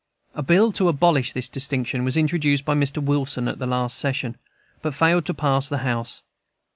A bill to abolish this distinction was introduced by Mr. Wilson at the last session, but failed to pass the House.